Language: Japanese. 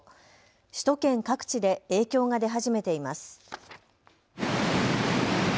首都圏各地で影響が出始めています。